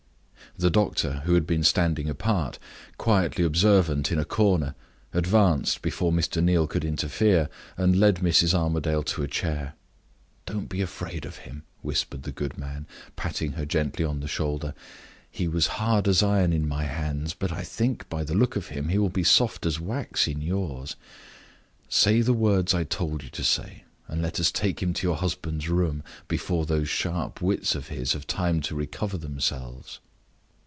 The doctor, who had been standing apart, quietly observant in a corner, advanced before Mr. Neal could interfere, and led Mrs. Armadale to a chair. "Don't be afraid of him," whispered the good man, patting her gently on the shoulder. "He was hard as iron in my hands, but I think, by the look of him, he will be soft as wax in yours. Say the words I told you to say, and let us take him to your husband's room, before those sharp wits of his have time to recover themselves."